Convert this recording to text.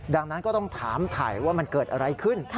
ดังนั้นก็ต้องถามถ่ายว่ามันเกิดอะไรขึ้น